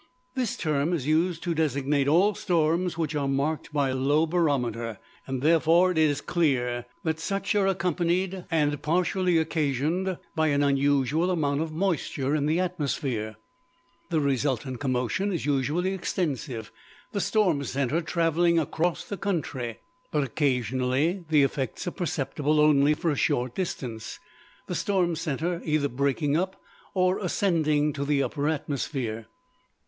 This term is used to designate all storms which are marked by low barometer, and therefore it is clear that such are accompanied and partially occasioned by an unusual amount of moisture in the atmosphere. The resultant commotion is usually extensive, the storm centre traveling across the country; but occasionally the effects are perceptible only for a short distance, the storm centre either breaking up or ascending to the upper atmosphere.